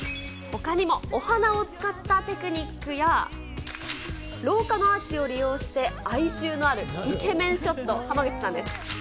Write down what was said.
ほかにもお花を使ったテクニックや、廊下のアーチを利用して、哀愁のあるイケメンショット、濱口さんです。